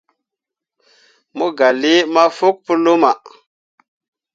Mo gah lii mafokki pu luma.